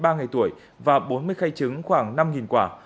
ba ngày tuổi và bốn mươi khay trứng khoảng năm quả